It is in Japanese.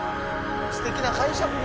すてきな解釈ね